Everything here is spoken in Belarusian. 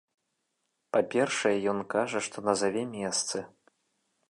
Па-першае, ён кажа, што назаве месцы.